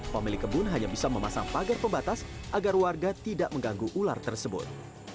pemilik kebun hanya bisa memasang pagar pembatas agar warga tidak mengganggu ular tersebut